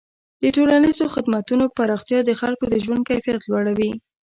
د ټولنیزو خدمتونو پراختیا د خلکو د ژوند کیفیت لوړوي.